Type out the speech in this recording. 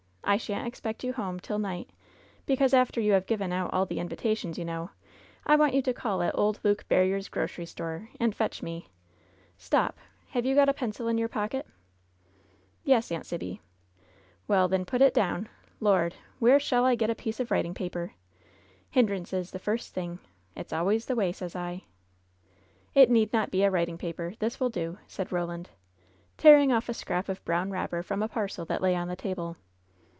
I shan't ex pect you home till night, because after you have given out all the invitations, you know, I want you to call at old Luke Barriere's grocery store and fetch me Stop ! have you got a pencil in your pocket ?" "Yes, Aunt Sibby." *WeU, then, put down— Lord! where shall I get a 6 LOVE'S BITTEREST CUP piece of writing paper? Hindrances, the first thing! It's always the way, sez I !" "It need not be writing paper. This will do," said Eoland, tearing off a scrap of brown wrapper from a parcel that lay on the table.